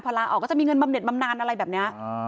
พอลาออกก็จะมีเงินบำเน็ตบำนานอะไรแบบนี้